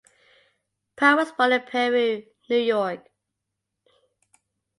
Pratt was born in Peru, New York.